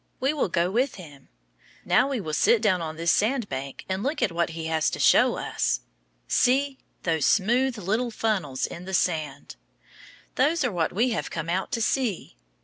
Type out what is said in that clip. We will go with him. Now we will sit down on this sand bank and look at what he has to show us. See! those smooth little funnels in the sand. Those are what we have come out to see.